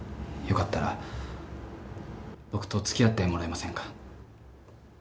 良かったら僕と付き合ってもらえませんか。